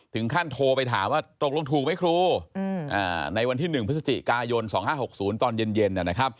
โทรไปถามว่าตกลงถูกไหมครูในวันที่๑พฤศจิกายน๒๕๖๐ตอนเย็น